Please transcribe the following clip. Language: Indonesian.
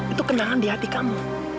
itu kenangan di hati kamu